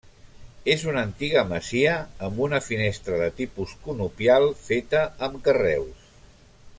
És una antiga masia amb una finestra de tipus conopial feta amb carreus.